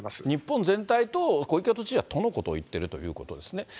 日本全体と、小池都知事はとのことを言ってるということですね。